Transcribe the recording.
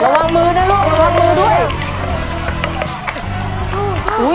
ระวังมือนะลูกระวังมือด้วย